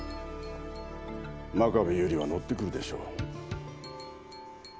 真壁由里は乗ってくるでしょう。